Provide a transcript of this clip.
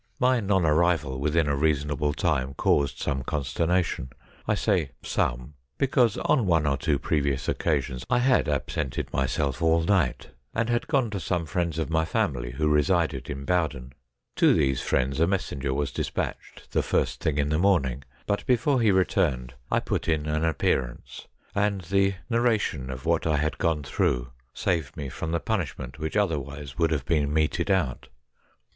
My non arrival within a reasonable time caused some consternation. I say some, because on one or two previous occasions I had absented myself all night, and had 2co STORIES WEIRD AND WONDERFUL gone to some friends of my family who resided in Bowdon. To these friends a messenger was despatched the first thing in the morning, hut before he resumed I put in an appearance, and the narration of what I had gone through saved me from the punishment which otherwise would have been meted out.